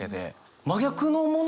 真逆のもの。